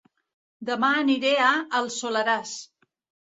Dema aniré a El Soleràs